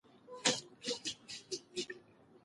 دا کیلې په ځانګړو خونو کې په طبیعي ډول پخې شوي دي.